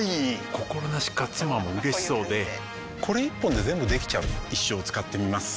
心なしか妻も嬉しそうでこれ一本で全部できちゃう一生使ってみます一生？